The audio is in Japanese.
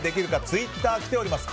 ツイッター、来ております。